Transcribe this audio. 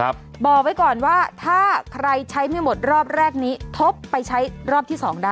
บอกไว้ก่อนว่าถ้าใครใช้ไม่หมดรอบแรกนี้ทบไปใช้รอบที่สองได้